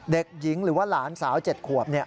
เด็กหญิงหรือว่าหลานสาว๗ขวบ